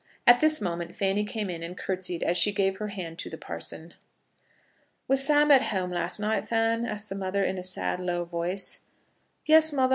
At this moment Fanny came in and curtseyed as she gave her hand to the parson. "Was Sam at home last night, Fan?" asked the mother, in a sad, low voice. "Yes, mother.